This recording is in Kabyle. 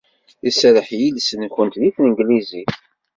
Iserreḥ yiles-nwent deg tanglizit.